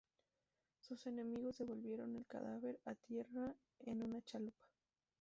Sus enemigos devolvieron el cadáver a tierra en una chalupa.